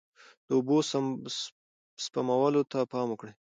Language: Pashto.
د اوبو سپمولو ته پام وکړئ.